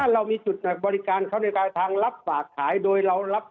เรามีจุดบริการเขาในปลายทางรับฝากขายโดยเรารับ